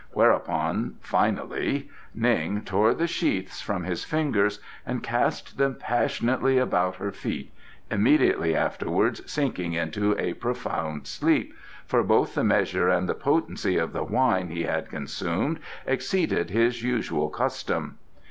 Whereupon, finally, Ning tore the sheaths from off his fingers and cast them passionately about her feet, immediately afterwards sinking into a profound sleep, for both the measure and the potency of the wine he had consumed exceeded his usual custom.